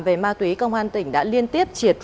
về ma túy công an tỉnh đã liên tiếp triệt